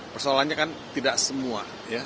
persoalannya kan tidak semua